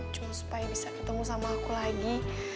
cuma supaya bisa ketemu sama aku lagi